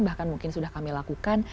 bahkan mungkin sudah kami lakukan